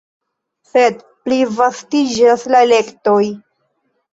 Sed plivastiĝas la elektoj.